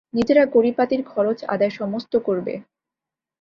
নিজেরা কড়িপাতির খরচ-আদায় সমস্ত করবে।